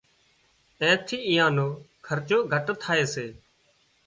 اين ٿي ايئان خرچو گهٽ ٿائي سي